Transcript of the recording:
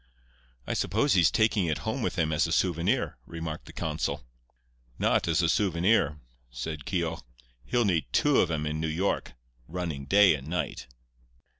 "I suppose he's taking it home with him as a souvenir," remarked the consul. "Not as a souvenir," said Keogh. "He'll need two of 'em in New York, running day and night."